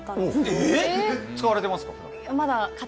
使われてますか？